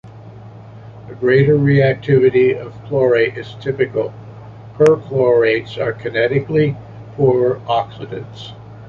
The greater reactivity of chlorate is typical - perchlorates are kinetically poorer oxidants.